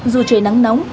dù trời nắng nóng